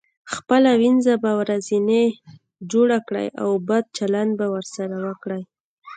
خپله وينځه به ورځنې جوړه کړئ او بد چلند به ورسره وکړئ.